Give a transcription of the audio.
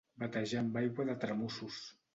Batejar amb aigua de tramussos.